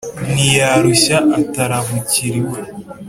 ntiyarushya atarabukira iwe.